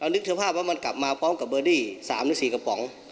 เรานึกถือภาพว่ามันกลับมาพร้อมกับเบอร์ดี้สามหรือสี่กระป๋อง